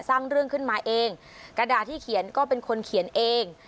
สร้างเรื่องขึ้นมาเองกระดาษที่เขียนก็เป็นคนเขียนเอง